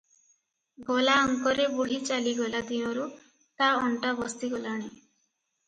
ଗଲା ଅଙ୍କରେ ବୁଢ଼ୀ ଚାଲିଗଲା ଦିନରୁ ତା ଅଣ୍ଟା ବସିଗଲାଣି ।